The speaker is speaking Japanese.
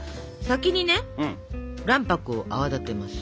先にね卵白を泡立てます。